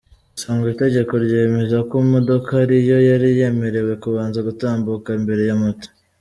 Gusa ngo itegeko ryemeza ko imodoka ariyo yari yemerewe kubanza gutambuka mbere ya moto.